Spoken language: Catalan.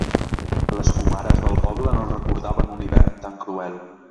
Les comares del poble no recordaven un hivern tan cruel.